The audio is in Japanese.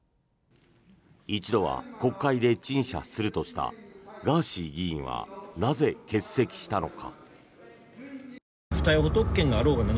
一度は国会で陳謝するとしたガーシー議員はなぜ、欠席したのか。